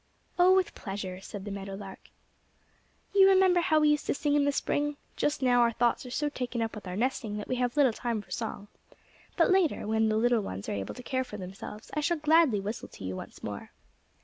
"Oh, with pleasure," said the meadow lark. "You remember how we used to sing in the spring? Just now our thoughts are so taken up with our nesting that we have little time for song. But later, when the little ones are able to care for themselves, I shall gladly whistle to you once more."